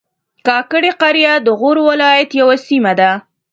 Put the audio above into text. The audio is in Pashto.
کاکړي قریه د غور ولایت یوه سیمه ده